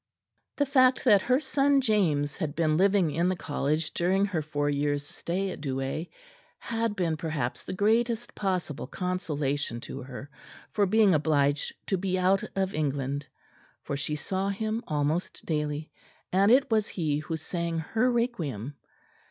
The fact that her son James had been living in the College during her four years' stay at Douai had been perhaps the greatest possible consolation to her for being obliged to be out of England; for she saw him almost daily; and it was he who sang her Requiem.